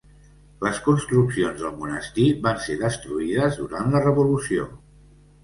Les construccions del monestir van ser destruïdes durant la revolució.